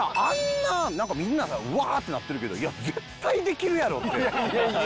なんかみんなさうわ！ってなってるけどいや絶対できるやろって。